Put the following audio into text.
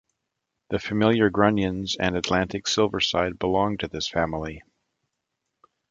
The familiar grunions and Atlantic silverside belong to this family.